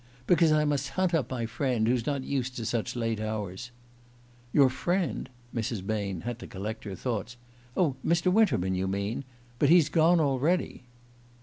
"Because I must hunt up my friend, who's not used to such late hours." "Your friend?" Mrs. Bain had to collect her thoughts. "Oh, Mr. Winterman, you mean? But he's gone already."